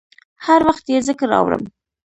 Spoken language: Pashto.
هر وخت یې ذکر اورم